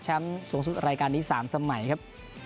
แชมป์สูงสุดรายการนี้สามสมัยครับ